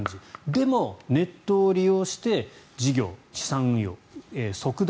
でも、ネットを利用して事業、資産運用即断